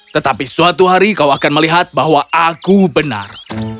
tetapi suatu hari kau akan melihat bahwa aku benar